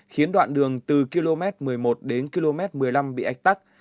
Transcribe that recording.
khiến đoạn đường từ km một mươi một đến km một mươi năm bị ách tắc